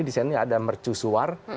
di sini ada mercusuar